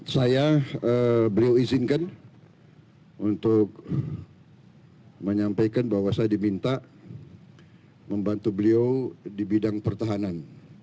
saya beliau izinkan untuk menyampaikan bahwa saya diminta membantu beliau di bidang pertahanan